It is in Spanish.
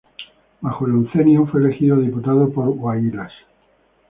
Bajo el Oncenio fue elegido diputado por Huaylas.